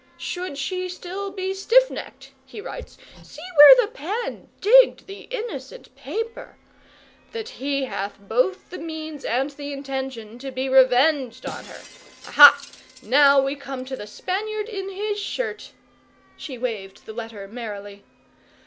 Should she still be stiff necked, he writes see where the pen digged the innocent paper! that he hath both the means and the intention to be revenged on her. Aha! Now we come to the Spaniard in his shirt!' (She waved the letter merrily.)